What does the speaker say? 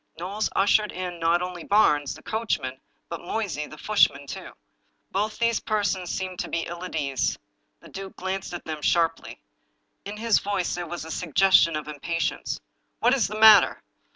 Knowles ushered in not only Barnes, the coachman, but Moysey, the footman, too. Both these persons seemed to be ill at ease. The duke glanced at them sharply. In liis voice there was a suggestion of impatience. " What is the matter?